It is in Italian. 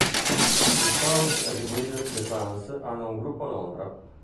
Gli Scouts et Guides de France hanno un gruppo a Londra.